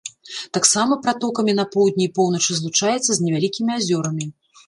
Таксама пратокамі на поўдні і поўначы злучаецца з невялікімі азёрамі.